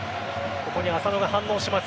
ここに浅野が反応します。